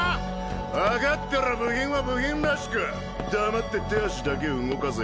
分かったら部品は部品らしく黙って手足だけ動かせ。